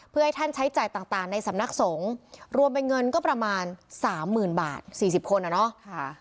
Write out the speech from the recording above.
เพื่อให้ท่านใช้จ่ายต่างในสำนักสงฆ์รวมเป็นเงินก็ประมาณสามหมื่นบาท๔๐คนอ่ะเนาะ